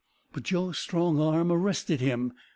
But Joe's strong arm arrested him.